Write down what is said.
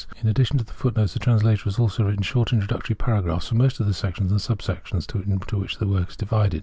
In addition to the fo(3t notes the translator has also written short introductory paragraphs for most of the sections and sub sections into which the work is divided.